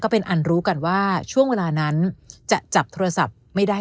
เป็นอันรู้กันว่าช่วงเวลานั้นจะจับโทรศัพท์ไม่ได้